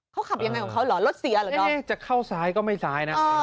เขาขับยังไงของเขาเหรอรถเสียเหรอเนอะจะเข้าซ้ายก็ไม่ซ้ายนะ